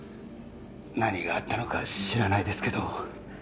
何があったのか知らないですけど